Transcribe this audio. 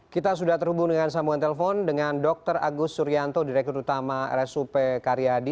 kita sudah terhubung dengan sambungan telepon dengan dr agus suryanto direktur utama rsup karyadi